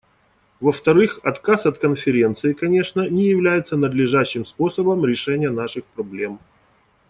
Во-вторых, отказ от Конференции, конечно, не является надлежащим способом решения наших проблем.